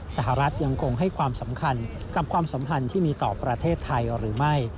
สหรัฐยังคงให้ความสำคัญกับความสัมพันธ์ที่มีต่อประเทศไทยหรือไม่